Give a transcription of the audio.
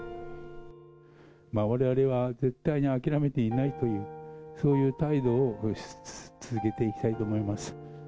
われわれは絶対に諦めていないという、そういう態度を続けていきたいと思います。